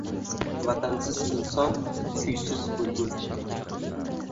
Vatansiz inson — kuysiz bulbul.